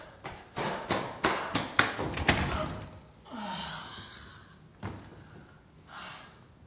ああ。